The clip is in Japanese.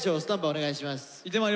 お願いします。